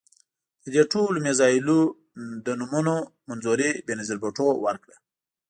د دې ټولو میزایلونو د نومونو منظوري بېنظیر بوټو ورکړه.